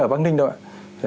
ở bắc ninh đâu